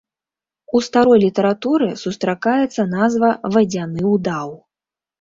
У старой літаратуры сустракаецца назва вадзяны удаў.